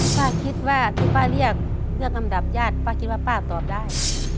ป้าคิดว่าที่ป้าเรียกเลือกลำดับญาติป้าคิดว่าป้าตอบได้